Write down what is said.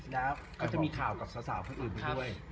แล้วก็จะมีข่าวกับสาวคนอื่นไปด้วย